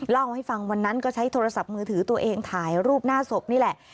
เล่าให้ฟังวันนั้นก็ใช้โทรศัพท์มือถือตัวเองถ่ายรูปหน้าศพนี่แหละ